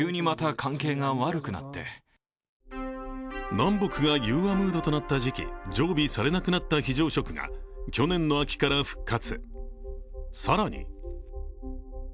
南北が融和ムードとなった時期、常備されなくなった非常食が去年の秋から復活。